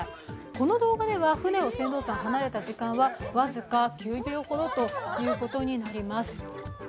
この動画では船を船頭さん離れた時間は僅か９秒ほどということになります